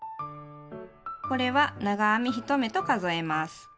これは長編み１目と数えます。